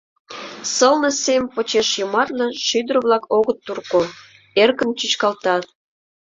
Сылне сем почеш йомартле шӱдыр-влак Огыт турко, эркын чӱчкалтат.